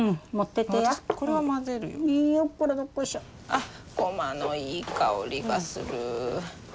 あっゴマのいい香りがする。